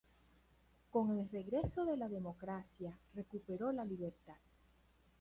Con el regreso de la democracia recuperó la libertad.